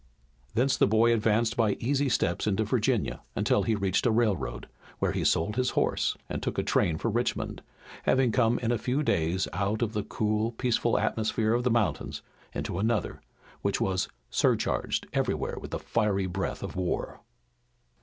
Thence the boy advanced by easy stages into Virginia until he reached a railroad, where he sold his horse and took a train for Richmond, having come in a few days out of the cool, peaceful atmosphere of the mountains into another, which was surcharged everywhere with the fiery breath of war.